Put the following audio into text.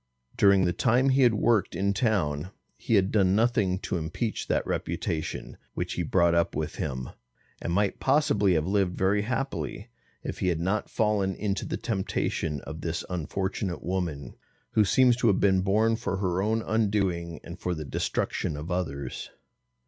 During the time he had worked in town, he had done nothing to impeach that reputation which he brought up with him, and might possibly have lived very happily, if he had not fallen into the temptation of this unfortunate woman, who seems to have been born for her own undoing and for the destruction of others.